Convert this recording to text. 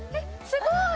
すごい！